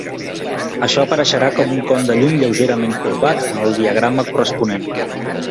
Això apareixerà com un con de llum lleugerament corbat en el diagrama corresponent.